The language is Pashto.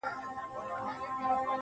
• موږه سپارلي دي د ښكلو ولېمو ته زړونه.